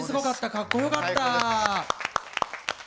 かっこよかった。